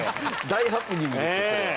大ハプニングですよそれは。